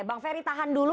bang ferry tahan dulu